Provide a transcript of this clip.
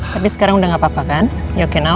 tapi sekarang udah nggak apa apa kan kamu oke sekarang